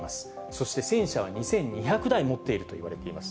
そして戦車は２２００台持っているといわれています。